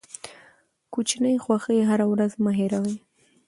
کوچني خوښۍ هره ورځ مه هېروئ.